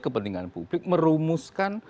kepentingan publik merumuskan